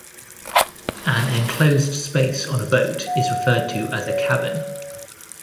An enclosed space on a boat is referred to as a cabin.